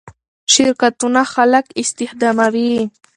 شرکتونه خلک استخداموي.